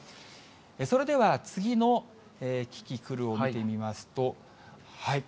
それでは次のキキクルを見てみますと。